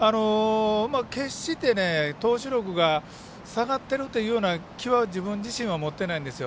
決して、投手力が下がっているという気は自分自身は持ってないんですよ。